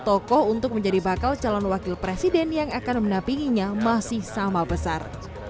tokoh untuk menjadi bakal calon wakil presiden yang akan menampinginya masih sama besar